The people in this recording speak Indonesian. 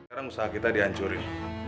sekarang usaha kita dihancurin